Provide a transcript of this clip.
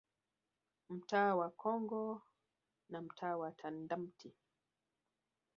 Mtaa wa Congo na mtaa wa Tandamti